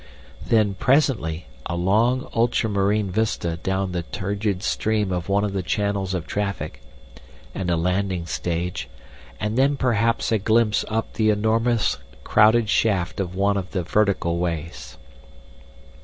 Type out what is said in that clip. Then, presently, a long ultra marine vista down the turgid stream of one of the channels of traffic, and a landing stage, and then, perhaps, a glimpse up the enormous crowded shaft of one of the vertical ways.